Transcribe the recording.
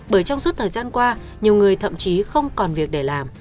bởi trong suốt thời gian qua nhiều người thậm chí không còn việc để làm